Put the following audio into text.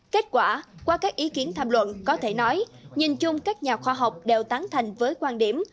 kết quả qua các ý kiến tham luận có thể nói nhìn chung các nhà khoa học đều tán thành với quan điểm